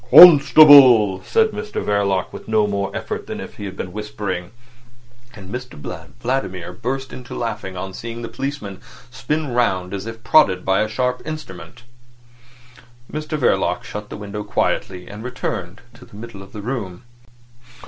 "Constable!" said Mr Verloc, with no more effort than if he were whispering; and Mr Vladimir burst into a laugh on seeing the policeman spin round as if prodded by a sharp instrument. Mr Verloc shut the window quietly, and returned to the middle of the room.